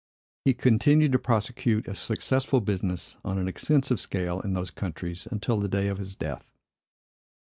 He continued to prosecute a successful business, on an extensive scale, in those countries, until the day of his death.